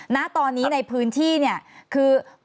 ณตอนนี้ในพื้นที่เนี่ยคือ